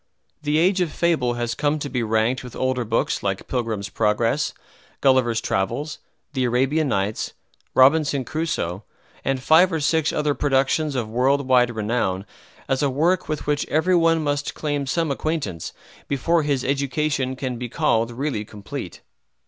"The Age of Fable" has come to be ranked with older books like "Pilgrim's Progress," "Gulliver's Travels," "The Arabian Nights," "Robinson Crusoe," and five or six other productions of world wide renown as a work with which every one must claim some acquaintance before his education can be called really complete.